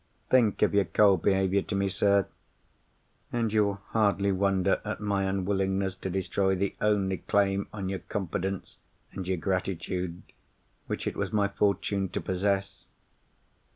Think of your cold behaviour to me, sir, and you will hardly wonder at my unwillingness to destroy the only claim on your confidence and your gratitude which it was my fortune to possess.